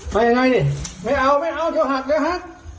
ไปยังไงเนี่ยไม่เอาเดี๋ยวหักเลยฮะ